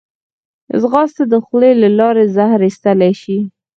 ځغاسته د خولې له لارې زهر ایستلی شي